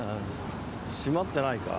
閉まってないか？